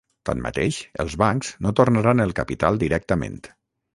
Tanmateix, els bancs no tornaran el capital directament.